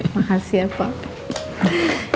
makasih ya pak